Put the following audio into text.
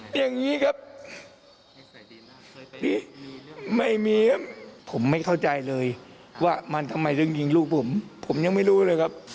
อย่างนี้ครับพี่ไม่มีครับผมไม่เข้าใจเลยว่ามันทำไมถึงยิงลูกผมผมยังไม่รู้เลยครับ